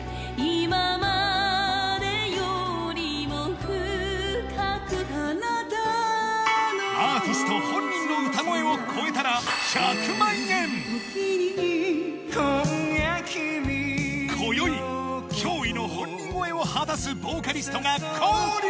いままでよりも深くアーティスト本人の歌声を超えたら１００万円今宵驚異の本人超えを果たすボーカリストが降臨！